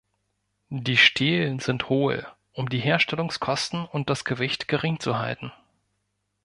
Die Stelen sind hohl, um die Herstellungskosten und das Gewicht gering zu halten.